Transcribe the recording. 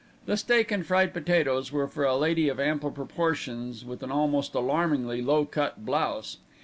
The steak and fried potatoes were for a lady of ample proportions with an almost alarmingly low cut blouse.